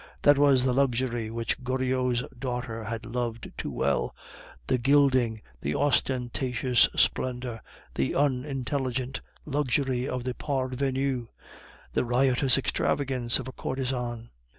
That was the luxury which Goriot's daughter had loved too well, the gilding, the ostentatious splendor, the unintelligent luxury of the parvenu, the riotous extravagance of a courtesan.